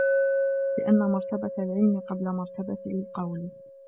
لِأَنَّ مَرْتَبَةَ الْعِلْمِ قَبْلَ مَرْتَبَةِ الْقَوْلِ